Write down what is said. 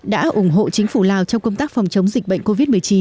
đã ủng hộ chính phủ lào trong công tác phòng chống dịch bệnh covid một mươi chín